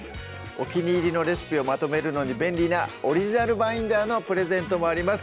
お気に入りのレシピをまとめるのに便利なオリジナルバインダーのプレゼントもあります